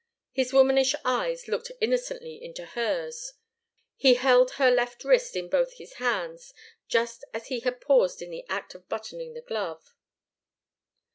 His womanish eyes looked innocently into hers. He held her left wrist in both his hands, just as he had paused in the act of buttoning the glove.